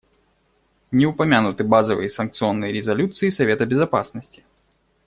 Не упомянуты базовые санкционные резолюции Совета Безопасности.